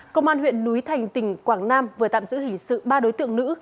công an huyện núi thành tỉnh quảng nam vừa tạm giữ hình sự ba đối tượng nữ